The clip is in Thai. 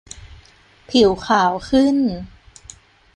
ผิวขาวขึ้น